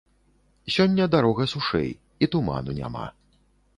Сёння дарога сушэй, і туману няма.